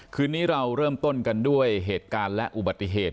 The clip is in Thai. คืนนี้เราเริ่มต้นกันด้วยเหตุการณ์และอุบัติเหตุ